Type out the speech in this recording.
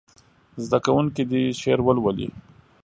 زده کوونکي دې شعر ولولي.